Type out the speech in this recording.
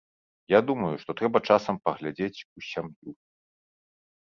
Я думаю, што трэба часам паглядзець у сям'ю.